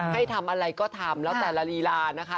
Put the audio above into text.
ให้ทำอะไรก็ทำแล้วแต่ละลีลานะคะ